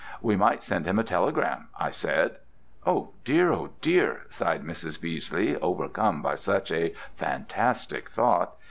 "We might send him a telegram," I said. "Oh, dear, Oh, dear!" sighed Mrs. Beesley, overcome by such a fantastic thought.